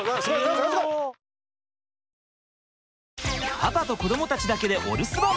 パパと子どもたちだけでお留守番！